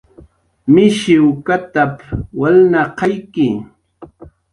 "Mishiwkatap"" walnaqayki"